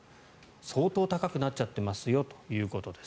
相当高くなっちゃってますよということです。